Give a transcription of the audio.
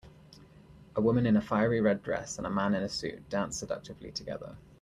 A woman in a fiery red dress and a man in a suit dance seductively together.